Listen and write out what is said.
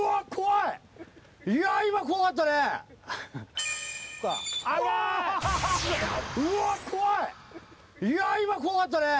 いや今怖かったね。